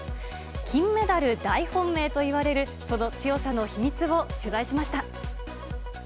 金メダル大本命といわれる、その強さの秘密を取材しました。